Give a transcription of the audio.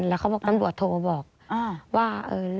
แล้วเขาบอกตำรวจโทรบอกว่า